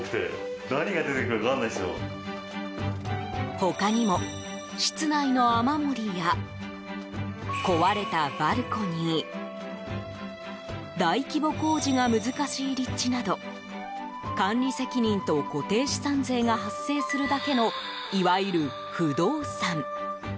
他にも、室内の雨漏りや壊れたバルコニー大規模工事が難しい立地など管理責任と固定資産税が発生するだけのいわゆる、負動産。